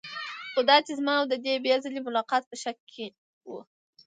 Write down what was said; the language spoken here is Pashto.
خو دا چې زما او د دې بیا ځلې ملاقات په شک کې و.